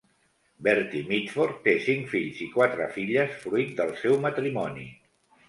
Bertie Mitford té cinc fills i quatre filles, fruit del seu matrimoni.